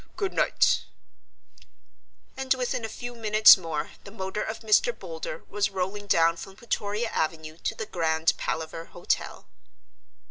Good night " And within a few minutes more the motor of Mr. Boulder was rolling down from Plutoria Avenue to the Grand Palaver Hotel.